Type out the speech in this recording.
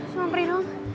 semoga berhenti dong